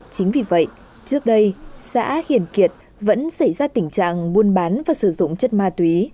chính vì vậy trước đây xã hiền kiệt vẫn xảy ra tình trạng buôn bán và sử dụng chất ma túy